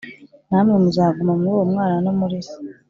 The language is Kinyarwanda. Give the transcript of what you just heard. namwe muzaguma muri uwo Mwana no muri Se.